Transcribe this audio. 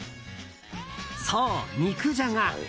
そう、肉じゃが。